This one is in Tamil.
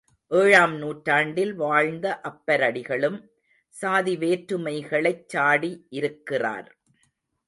ஏழாம் நூற்றாண்டில் வாழ்ந்த அப்பரடிகளும் சாதி வேற்றுமைகளைச் சாடி இருக்கிறார்.